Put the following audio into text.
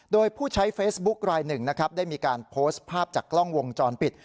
โดยผู้ใช้เฟซบุ๊คลายหนึ่งนะครับได้มีการโพสต์ภาพจากกล้องวงจรปิด